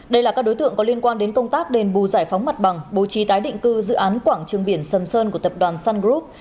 đây là các đối tượng có liên quan đến công tác đền bù giải phóng mặt bằng bố trí tái định cư dự án quảng trường biển sầm sơn của tập đoàn sun group